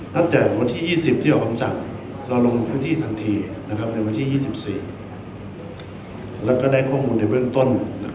ตั้งแต่วันที่๒๐ที่ออกคำสั่งเราลงพื้นที่ทันทีในวันที่๒๔แล้วก็ได้ข้อมูลในเบื้องต้น